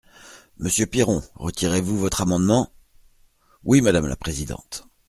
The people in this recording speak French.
Monsieur Piron, retirez-vous votre amendement ? Oui, madame la présidente.